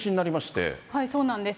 そうなんです。